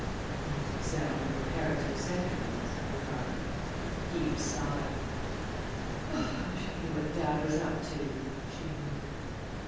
"Nice example your parents are setting us!" I remarked. Eve sighed. "I wish I knew what dad was up to!" she murmured.